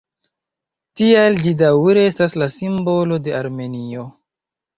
Tial ĝi daŭre estas la simbolo de Armenio.